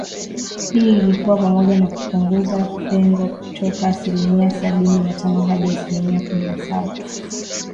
Hii ilikuwa pamoja na kupunguza pengo kutoka asilimia sabini na tano hadi asilimia kumi na saba mwishoni mwa kipindi hicho